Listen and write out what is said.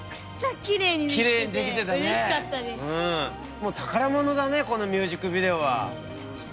もう宝物だねこのミュージックビデオは。